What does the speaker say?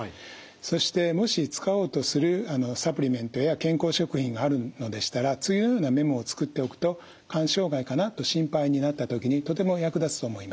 そしてもし使おうとするサプリメントや健康食品があるのでしたら次のようなメモを作っておくと肝障害かなと心配になった時にとても役立つと思います。